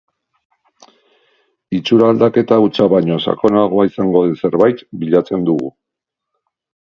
Itxura aldaketa hutsa baino sakonagoa izango den zerbait bilatzen dugu.